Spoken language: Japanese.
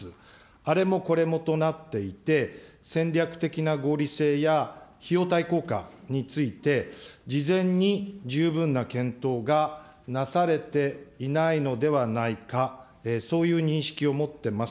あれもこれもとなっていて、戦略的な合理性や費用対効果について、事前に十分な検討がなされていないのではないか、そういう認識を持ってます。